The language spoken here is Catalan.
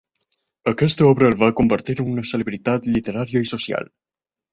Aquesta obra el va convertir en una celebritat literària i social.